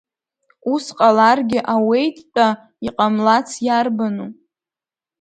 Ус ҟаларгьы ауеит-тәа, иҟамлац иарбану!